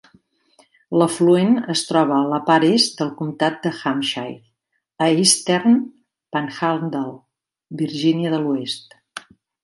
L'afluent es troba a la part est del comtat de Hampshire a Eastern Panhandle, Virgínia de l'Oest.